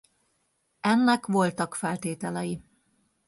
Ennek voltak feltételei.